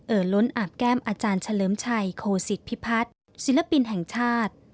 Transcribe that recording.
ล้นอาบแก้มอาจารย์เฉลิมชัยโคสิตพิพัฒน์ศิลปินแห่งชาติ